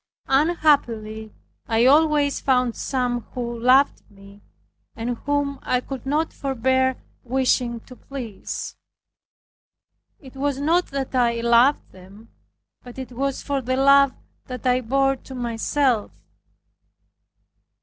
Unhappily I always found some who loved me, and whom I could not forbear wishing to please. It was not that I loved them, but it was for the love that I bore to myself.